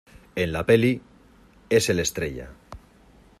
en la peli. es el Estrella .